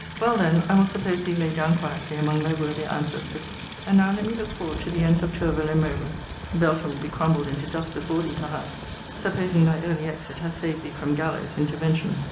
Well, then, I will suppose thee laid down quietly among thy worthier ancestors. And now let me look forward to the ends of Tourville and Mowbray, [Belton will be crumbled into dust before thee, perhaps,] supposing thy early exit has saved thee from gallows intervention.